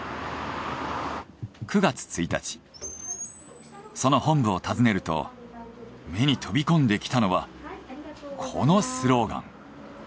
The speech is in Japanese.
９月１日その本部を訪ねると目に飛び込んできたのはこのスローガン。